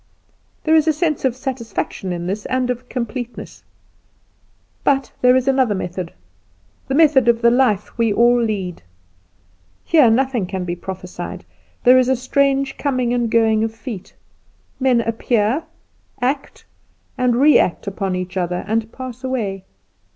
There is a sense of satisfaction in this, and of completeness. But there is another method the method of the life we all lead. Here nothing can be prophesied. There is a strange coming and going of feet. Men appear, act and re act upon each other, and pass away.